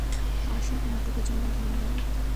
আর সব নাটকের জন্য ধন্যবাদ।